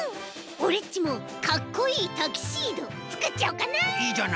オレっちもかっこいいタキシードつくっちゃおうかな。